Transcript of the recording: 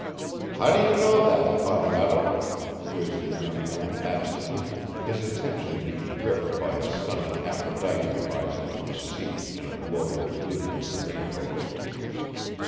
"How do you know that Bateato?" quizzed the young man absently, his attention being gripped by a stunning aphrodite rising from the sea in a glory of nudity and rainbows.